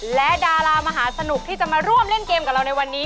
และดารามหาสนุกที่จะมาร่วมเล่นเกมกับเราในวันนี้